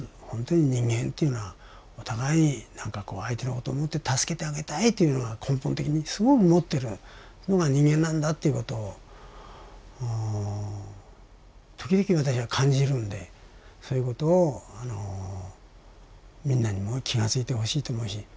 本当に人間っていうのはお互いに相手のことを思って助けてあげたいというのを根本的にすごく持ってるのが人間なんだっていうことを時々私は感じるんでそういうことをみんなにも気がついてほしいと思うし。